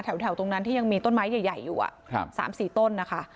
แถวตรงนั้นที่ยังมีต้นไม้ใหญ่อยู่๓๔ต้นนะคะ